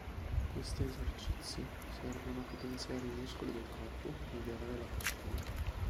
Queste esercizi servono a potenziare i muscoli del corpo, migliorare la postura.